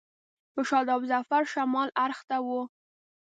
په شاداب ظفر شمال اړخ ته و.